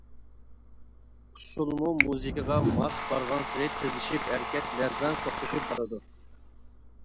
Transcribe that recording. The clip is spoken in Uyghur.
ئۇسسۇلمۇ مۇزىكىغا ماس بارغانسېرى تېزلىشىپ ھەرىكەت لەرزان شوخلىشىپ بارىدۇ.